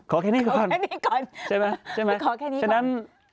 ขอแค่นี้ก่อนใช่ไหมใช่ไหมฉะนั้นขอแค่นี้ก่อน